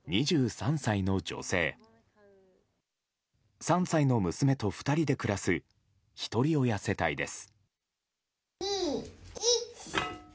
３歳の娘と２人で暮らすひとり親世帯です。